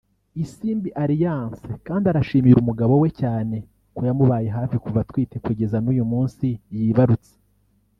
Isimbi Alliance kandi arashimira umugabo we cyane ko yamubaye hafi kuva atwite kugeza n'uyu munsi yibarutse